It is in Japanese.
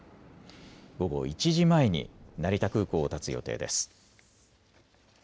午後１時前に成田空港をたつ予定です。